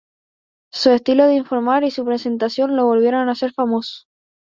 Su estilo de informar y su presentación lo volvieron a hacer famoso.